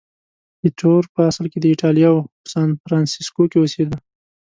ایټور په اصل کې د ایټالیا و، خو په سانفرانسیسکو کې اوسېده.